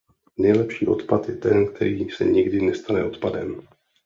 Nejlepší odpad je ten, který se nikdy nestane odpadem.